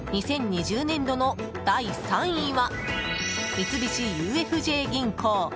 ２０２０年度の第３位は三菱ＵＦＪ銀行。